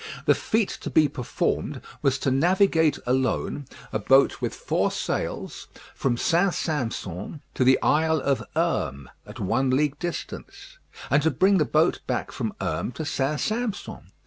The feat to be performed was to navigate alone a boat with four sails from St. Sampson to the Isle of Herm, at one league distance, and to bring the boat back from Herm to St. Sampson.